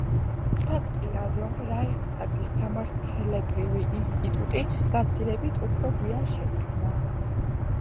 ფაქტია, რომ რაიხსტაგის სამართლებრივი ინსტიტუტი გაცილებით უფრო გვიან შეიქმნა.